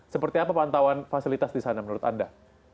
seperti apa pantauan fasilitas di sana menurut anda